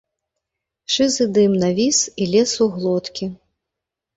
Шызы дым навіс і лез у глоткі.